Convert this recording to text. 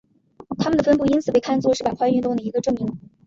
它们的分布因此被看作是板块运动的一个证明。